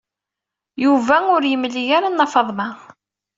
Yuba ur d-yemli ara Nna Faḍma.